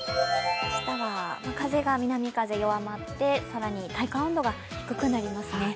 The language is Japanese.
明日は風が南風弱まって更に体感温度が低くなりますね。